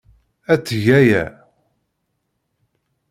Ad teg aya.